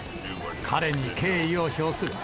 彼に敬意を表する。